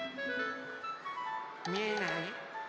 みえない？